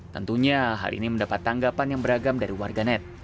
tentunya hal ini mendapat tanggapan yang beragam dari warganet